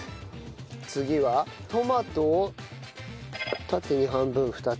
次はトマトを縦に半分２つ。